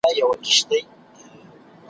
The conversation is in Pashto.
دېوال نم زړوي خو انسان غم زړوي `